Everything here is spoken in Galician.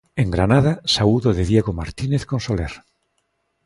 En Granada, saúdo de Diego Martínez con Soler.